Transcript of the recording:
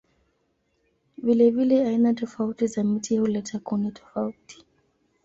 Vilevile aina tofauti za miti huleta kuni tofauti.